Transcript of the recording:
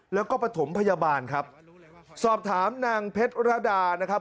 แล้วก็ประถมพยาบาลครับสอบถามนางเพชรดานะครับ